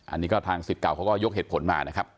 อันนี้ก็ทางสิทธิ์เก่าเขาก็ยกเหตุผลมานะครับ